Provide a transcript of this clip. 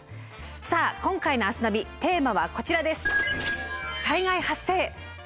さあ今回の「明日ナビ」テーマはこちらです。